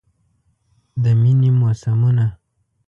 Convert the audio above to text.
د میینې موسمونه